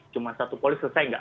cuma satu polis selesai nggak